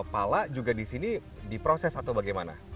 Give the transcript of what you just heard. pala juga di sini diproses atau bagaimana